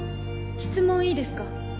質問いいですか？